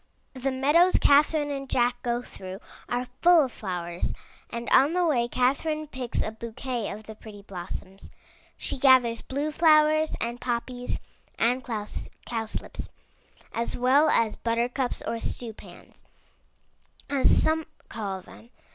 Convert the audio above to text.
The meadows Catherine and Jack go through are full of flowers, and on the way Catherine picks a bouquet of the pretty blossoms. She gathers blue flowers and poppies and cowslips, as well as buttercups, or stew pans, as some call them.